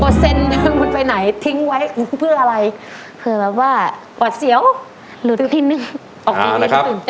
ออกจริงตื่นเต้นด้วยอะน้อ